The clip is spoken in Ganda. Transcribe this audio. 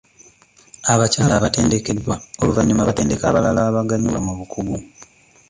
Abakyala abatendekeddwa oluvannyuma batendeka abalala abaganyulwa mu bukugu.